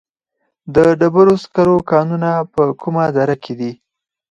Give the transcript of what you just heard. د ډبرو سکرو کانونه په کومه دره کې دي؟